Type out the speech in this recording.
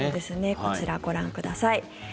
こちら、ご覧ください。